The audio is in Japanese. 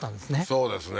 そうですね